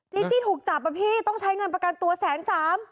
จีจี้ถูกจับอ่ะพี่ต้องใช้เงินประกันตัวแสนสาม